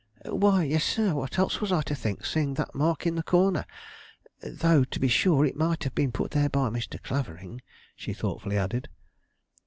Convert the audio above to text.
"Why, yes, sir; what else was I to think, seeing that mark in the corner? Though, to be sure, it might have been put there by Mr. Clavering," she thoughtfully added.